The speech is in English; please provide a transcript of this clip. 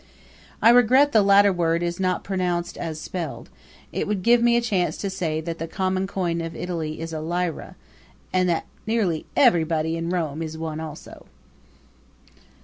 I regret the latter word is not pronounced as spelled it would give me a chance to say that the common coin of Italy is a lira, and that nearly everybody in Rome is one also.